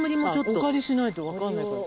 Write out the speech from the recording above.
お借りしないとわかんない。